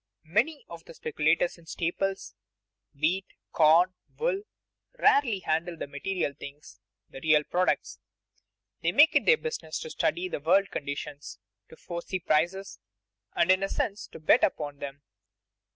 _ Many of the speculators in staples, wheat, corn, wool, rarely handle the material things, the real products. They make it their business to study the world conditions, to foresee prices, and in a sense to bet upon them.